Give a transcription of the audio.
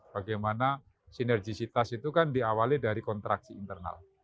bagaimana sinergisitas itu kan diawali dari kontraksi internal